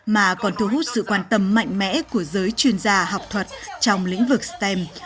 mà còn thu hút sự quan tâm mạnh mẽ của giới chuyên gia học thuật trong lĩnh vực stem